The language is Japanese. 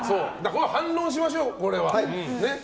反論しましょう、これは。